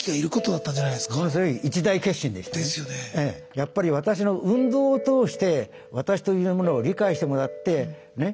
やっぱり私の運動を通して私というものを理解してもらってねっ？